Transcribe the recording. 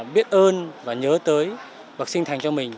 biết ơn và nhớ tới bậc sinh thành cho mình